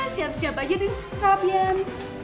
siap siap aja di strop yan